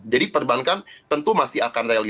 jadi perbankan tentu masih akan rally